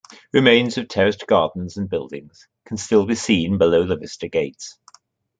Remains of terraced gardens and buildings can still be seen below the Vista gates.